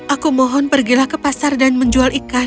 aku mohon pergilah ke pasar dan menjual ikan